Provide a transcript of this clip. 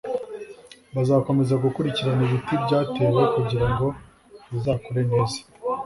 bazakomeza gukurikirana ibiti byatewe kugira ngo bizakure neza